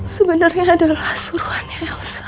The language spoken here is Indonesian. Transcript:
sebenernya adalah suruhannya elsa